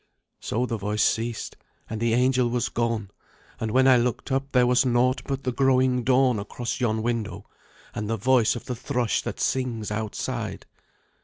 "So the voice ceased, and the angel was gone, and when I looked up there was naught but the growing dawn across yon window, and the voice of the thrush that sings outside."